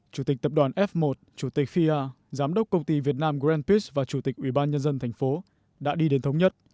chủ tịch tập đoàn f một chủ tịch fia giám đốc công ty việt nam grand peace và chủ tịch ubnd tp đã đi đến thống nhất